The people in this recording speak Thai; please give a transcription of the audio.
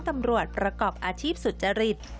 ตำรวจประกอบอาชีพสุจริต